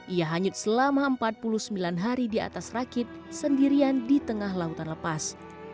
ia hanyut selama empat puluh sembilan hari di atas rakit sendirian di tengah lautan lepas